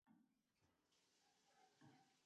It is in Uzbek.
Chopilmading, ildizing qayda???